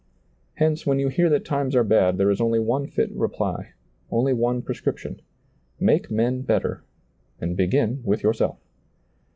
Hence, when you hear that times are bad there is only one fit reply, only one prescrip tion — make men better, and begin with yourself.